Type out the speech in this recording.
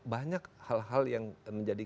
banyak hal hal yang menjadi